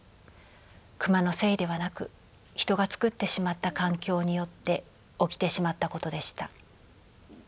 クマのせいではなく人が作ってしまった環境によって起きてしまったことでした。